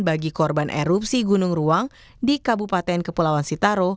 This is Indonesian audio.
bagi korban erupsi gunung ruang di kabupaten kepulauan sitaro